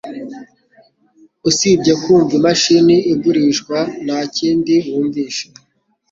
usibye kumva imashini igurishwa nakindi wumvishe.